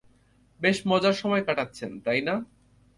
বেশ মজার সময় কাটাচ্ছেন, তাই না?